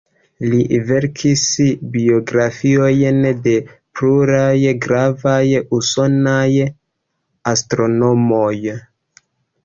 Li verkis biografiojn de pluraj gravaj usonaj astronomoj.